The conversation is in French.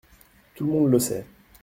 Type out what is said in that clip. Tout le monde le sait.